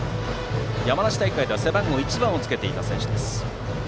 山梨大会では背番号１番をつけていた選手。